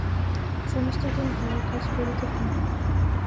সমস্তদিন ঘরের কাজ করিতে হয়।